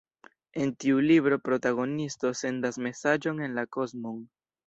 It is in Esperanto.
En tiu libro protagonisto sendas mesaĝon en la kosmon.